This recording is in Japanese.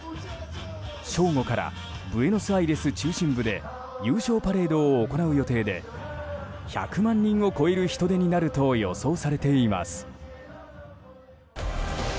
正午からブエノスアイレス中心部で優勝パレードを行う予定で１００万人を超える人出になると予想されています。